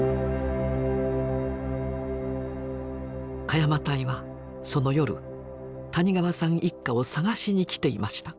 鹿山隊はその夜谷川さん一家を捜しにきていました。